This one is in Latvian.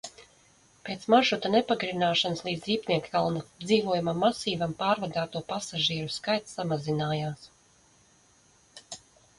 Pēc maršruta nepagarināšanas līdz Ziepniekkalna dzīvojamam masīvam pārvadāto pasažieru skaits samazinājās.